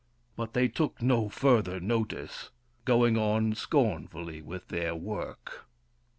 But they took no further notice, going on scornfully with their work.